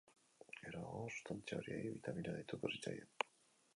Geroago, sustantzia horiei bitamina deituko zitzaien.